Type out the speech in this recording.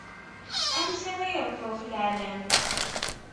Amek ara iṛefṛef leɛlam?